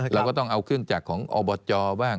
เราก็ต้องเอาเครื่องจักรของอบจบ้าง